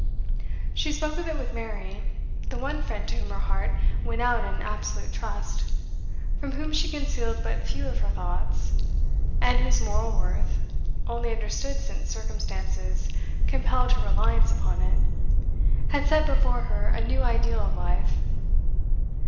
She spoke of it with Mary, the one friend to whom her heart went out in absolute trust, from whom she concealed but few of her thoughts, and whose moral worth, only understood since circumstances compelled her reliance upon it, had set before her a new ideal of life.